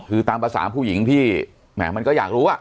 คือตามประสามผู้หญิงพี่แหม่มันก็อยากรู้อ่ะ